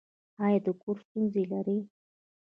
ایا د کور ستونزې لرئ؟